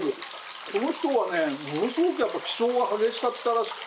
この人はねものすごく気性が激しかったらしくて。